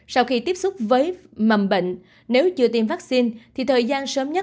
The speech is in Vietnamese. sau khi tiếp xúc với mầm bệnh nếu chưa tiêm vaccine thì thời gian sớm nhất